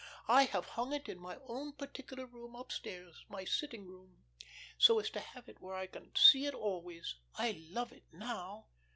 I have hung it in my own particular room upstairs my sitting room so as to have it where I can see it always. I love it now.